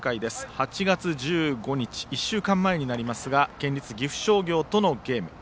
８月１５日１週間前になりますが県立岐阜商業とのゲーム。